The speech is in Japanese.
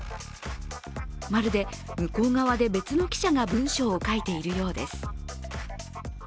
まるで向こう側で別の記者が文章を書いているようです。